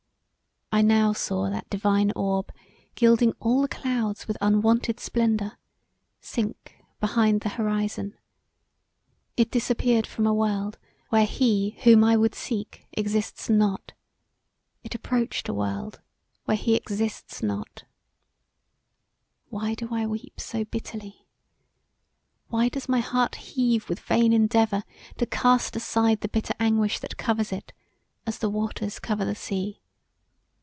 I now saw that divine orb, gilding all the clouds with unwonted splendour, sink behind the horizon; it disappeared from a world where he whom I would seek exists not; it approached a world where he exists not[.] Why do I weep so bitterly? Why my does my heart heave with vain endeavour to cast aside the bitter anguish that covers it "as the waters cover the sea."